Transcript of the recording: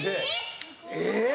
えっ？